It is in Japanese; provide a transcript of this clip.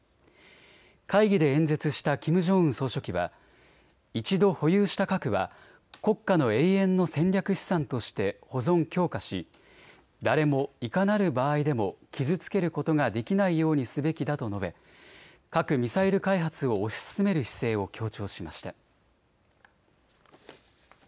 会議で演説したキム・ジョンウン総書記は、１度保有した核は国家の永遠の戦略資産として保存・強化し誰もいかなる場合でも傷つけることができないようにすべきだと述べ、核・ミサイル開発を推し進める姿勢を強調しました。